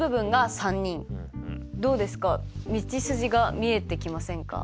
どうですか道筋が見えてきませんか？